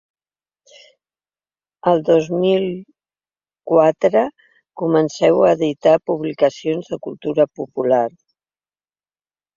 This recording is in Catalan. El dos mil quatre comenceu a editar publicacions de cultura popular.